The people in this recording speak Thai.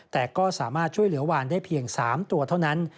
แต่ก็สามารถช่วยเหลือวานได้เพียง๓ตัวเท่านั้น